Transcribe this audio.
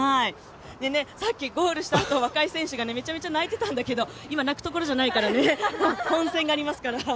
さっきゴールしたあと、若井選手がめちゃめちゃ泣いてたんだけど今、泣くところじゃないからね、本戦がありますから。